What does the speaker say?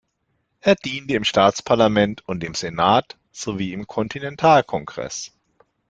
Er diente im Staatsparlament und im Senat sowie im Kontinentalkongress.